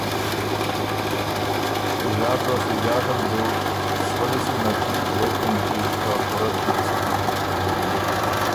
ݫات لاسته ݫات ال بُو ”سولّی سُونَتي“ غوېک اېنچی که پُوره ت نک سُکِن